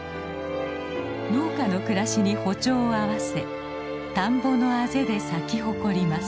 農家の暮らしに歩調を合わせ田んぼのあぜで咲き誇ります。